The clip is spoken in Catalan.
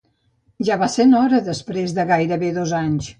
Ja va essent hora després de gairebé dos anys!